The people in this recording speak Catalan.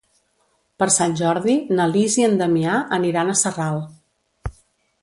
Per Sant Jordi na Lis i en Damià aniran a Sarral.